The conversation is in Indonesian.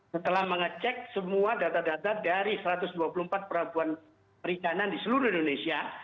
setelah mengecek semua data data dari satu ratus dua puluh empat pelabuhan perikanan di seluruh indonesia